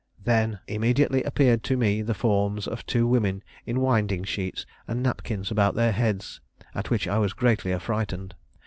Then immediately appeared to me the forms of two women in winding sheets, and napkins about their heads, at which I was greatly affrighted.